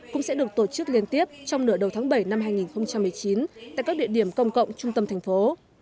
cũng sẽ được tổ chức liên tiếp trong nửa đầu tháng bảy năm hai nghìn một mươi chín tại các địa điểm công cộng trung tâm thành phố